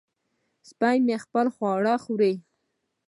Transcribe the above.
سپی مې خپل خواړه خوري.